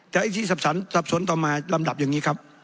แต่ไอ้ที่สับสนต่อมาลำดับอย่างนี้ครับ